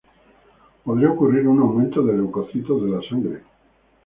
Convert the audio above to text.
Podría ocurrir un aumento de leucocitos de la sangre.